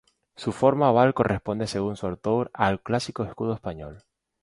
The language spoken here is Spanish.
Su forma oval corresponde según su autor al clásico escudo español.